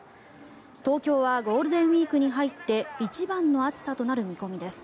東京はゴールデンウィークに入って一番の暑さとなる見込みです。